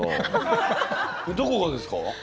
どこがですか？